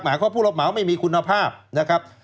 เพราะผู้รับเหมาไม่มีคุณภาพนะครับ